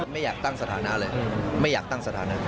ไม่อยากตั้งสถานะเลยไม่อยากตั้งสถานะ